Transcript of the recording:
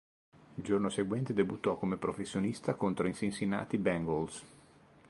Il giorno seguente debuttò come professionista contro i Cincinnati Bengals.